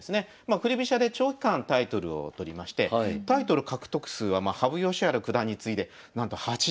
振り飛車で長期間タイトルを取りましてタイトル獲得数は羽生善治九段に継いでなんと８０期。